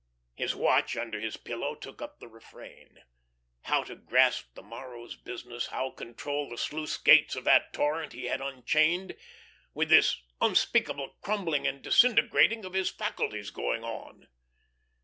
His watch under his pillow took up the refrain. How to grasp the morrow's business, how control the sluice gates of that torrent he had unchained, with this unspeakable crumbling and disintegrating of his faculties going on?